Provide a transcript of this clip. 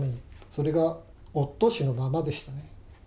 それがおととしのままでしたね。